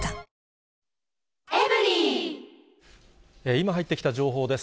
今入ってきた情報です。